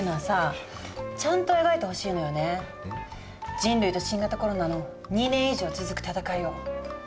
人類と新型コロナの２年以上続く戦いを。